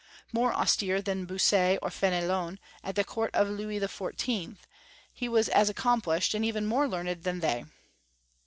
More austere than Bossuet or Fénelon at the court of Louis XIV., he was as accomplished, and even more learned than they.